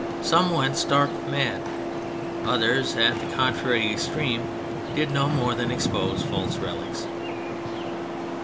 Some went stark mad. Others, at the contrary extreme, did no more than expose false relics.